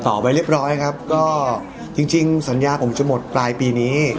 ต่อไปเรียบร้อยครับก็จริงสัญญาผมจะหมดปลายปีนี้